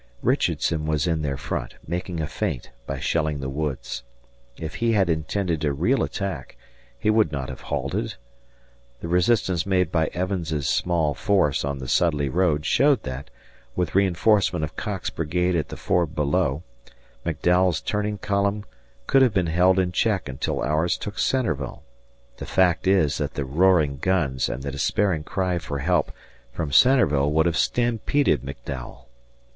Richardson was in their front, making a feint by shelling the woods. If he had intended a real attack, he would not have halted. The resistance made by Evans's small force on the Sudley road showed that, with reinforcement of Cocke's brigade at the ford below, McDowell's turning column could have been held in check until ours took Centreville. The fact is that the roaring guns and the despairing cry for help from Centreville would have stampeded McDowell.